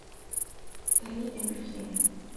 Lee en Virginia.